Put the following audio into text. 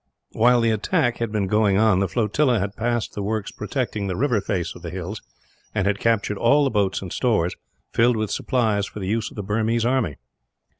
While the attack had been going on, the flotilla had passed the works protecting the river face of the hills, and had captured all the boats and stores, filled with supplies for the use of the Burmese army.